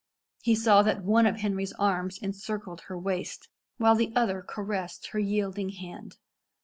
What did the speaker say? He saw that one of Henry's arms encircled her waist, while the other caressed her yielding hand.